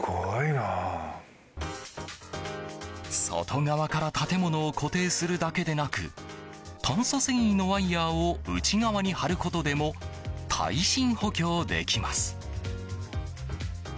外側から建物を固定するだけでなく炭素繊維のワイヤを内側に張ることでも耐震補強できます。